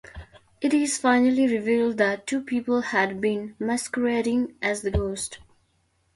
It is finally revealed that two people had been masquerading as the ghost.